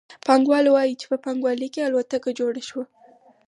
پانګوال وايي چې په پانګوالي کې الوتکه جوړه شوه